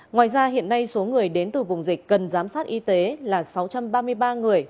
ngoài ra hiện nay số người đến từ vùng dịch cần giám sát y tế là sáu trăm ba mươi ba người